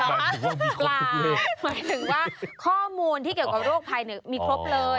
หมายถึงว่าข้อมูลที่เกี่ยวกับโรคภัยมีครบเลย